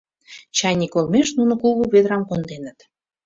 Чайник олмеш нуно кугу ведрам конденыт.